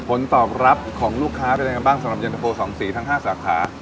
ผลตอบรับของลูกค้าเป็นยังไงบ้างสำหรับเย็นตะโฟ๒สีทั้ง๕สาขา